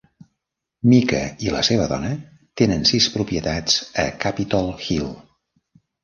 Mica i la seva dona tenen sis propietats a Capitol Hill.